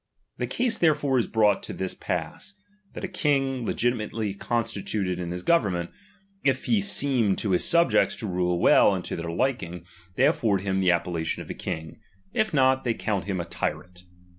The case therefore is brought to this pass ; that a king, legi timately constituted in his government, if he seem to his subjects to rule well and to their liking, they afford him the appellation of a king ; if not, they count him a ft/rant.